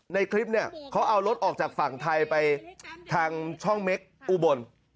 ในคลิปเนี่ยเขาเอารถออกจากฝั่งไทยไปทางช่องเม็กอุบล